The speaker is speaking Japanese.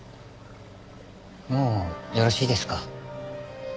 もうよろしいですか？